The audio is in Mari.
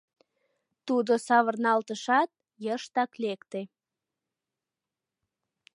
Тудо савырналтышат, йыштак лекте.